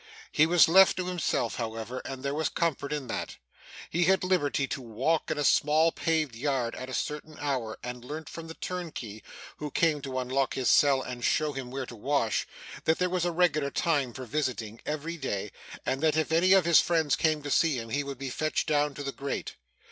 He was left to himself, however, and there was comfort in that. He had liberty to walk in a small paved yard at a certain hour, and learnt from the turnkey, who came to unlock his cell and show him where to wash, that there was a regular time for visiting, every day, and that if any of his friends came to see him, he would be fetched down to the grate.